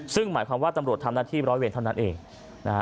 ซึ่งหมายความว่าตำรวจทำหน้าที่ร้อยเวรเท่านั้นเองนะฮะ